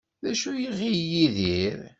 D acu ay iɣil Yidir?